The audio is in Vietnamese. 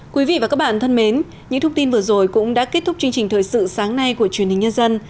quý vị và các bạn thân mến những thông tin vừa rồi cũng đã kết thúc chương trình thời sự sáng nay của truyền hình nhân dân